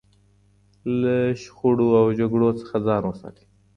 له شخړو او جګړو څخه ځان وساتئ.